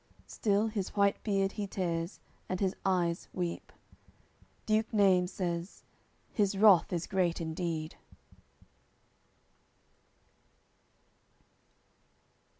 Still his white beard he tears, and his eyes weep. Duke Naimes says: "His wrath is great indeed."